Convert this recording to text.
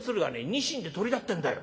ニシンでトリだってんだよ。